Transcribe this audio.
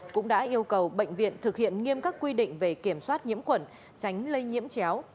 cũng đã yêu cầu bệnh viện thực hiện nghiêm các quy định về kiểm soát nhiễm khuẩn tránh lây nhiễm chéo